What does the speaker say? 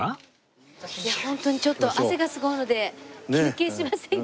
いやホントにちょっと汗がすごいので休憩しませんか？